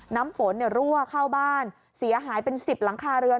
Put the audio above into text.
น้ำฝนรั่วเข้าบ้านเสียหายเป็น๑๐หลังคาเรือน